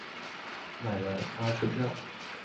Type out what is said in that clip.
买了巴士票